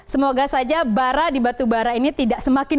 semoga saja bara di batubara ini tidak semakin